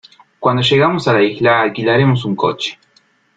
Cuando llegamos a la isla, alquilaremos un coche.